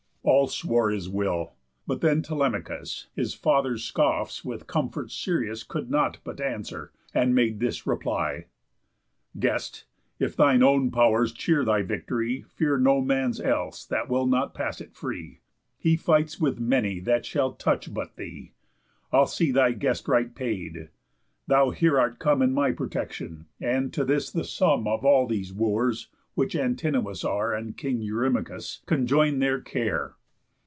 All swore his will. But then Telemachus His father's scoffs with comforts serious Could not but answer, and made this reply: "Guest! If thine own pow'rs cheer thy victory, Fear no man's else that will not pass it free. He fights with many that shall touch but thee. I'll see thy guest right paid. Thou here art come In my protection; and to this the sum Of all these Wooers (which Antinous are And King Eurymachus) conjoin their care."